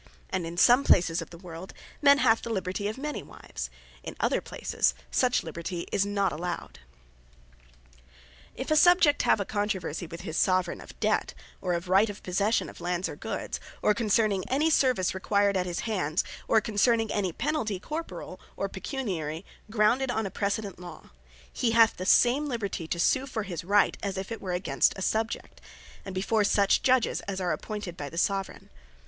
And is some places of the world, men have the Liberty of many wives: in other places, such Liberty is not allowed. If a Subject have a controversie with his Soveraigne, of Debt, or of right of possession of lands or goods, or concerning any service required at his hands, or concerning any penalty corporall, or pecuniary, grounded on a precedent Law; He hath the same Liberty to sue for his right, as if it were against a Subject; and before such Judges, as are appointed by the Soveraign.